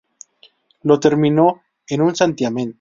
Lo terminó en un santiamén